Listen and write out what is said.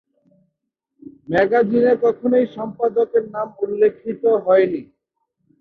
ম্যাগাজিনে কখনই সম্পাদকের নাম উল্লেখিত হয়নি।